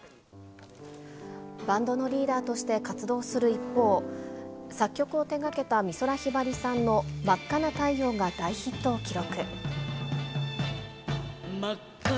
バンドのリーダーとして活動する一方、作曲を手がけた美空ひばりさんの真赤な太陽が大ヒットを記録。